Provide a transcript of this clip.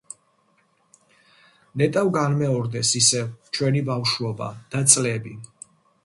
ნეტავ განმეორდეს ისევ ჩვენი ბავშვობა და წლები!